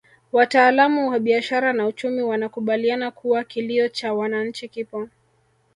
Wataalamu wa biashara na uchumi wanakubaliana kuwa kilio cha wananchi kipo